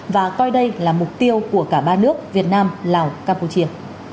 và coi đây là mục tiêu của cả ba nước việt nam lào campuchia